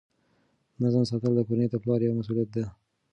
نظم ساتل د کورنۍ د پلار یوه مسؤلیت ده.